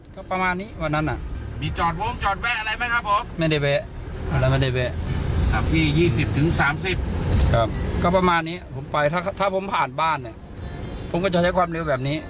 ครับก็ประมาณนี้ผมไปถ้าผมผ่านบ้านเนี่ยผมก็จะใช้ความรู้แบบนี้